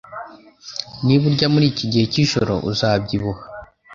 Niba urya muri iki gihe cyijoro uzabyibuha